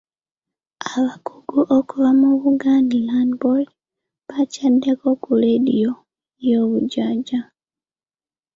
Abakugu okuva mu Buganda Land Board baakyaddeko ku leediyo y'obujjajja.